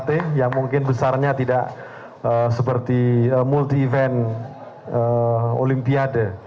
sekaligus kepada pelatih yang mungkin besarnya tidak seperti multi event olimpiade